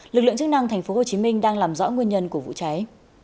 lực lượng chức năng tp hcm đang làm rõ nguyên nhân của vụ cháy